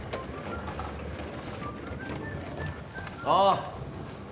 ああ！